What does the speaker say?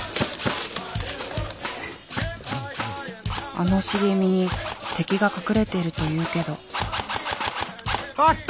あの茂みに敵が隠れているというけど。